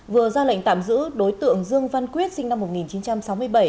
vừa ra lệnh tạm giữ đối tượng dương văn quyết sinh năm một nghìn chín trăm sáu mươi bảy